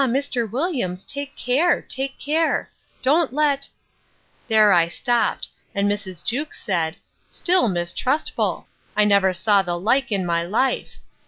Mr. Williams, take care, take care; don't let—There I stopt; and Mrs. Jewkes said, Still mistrustful!—I never saw the like in my life!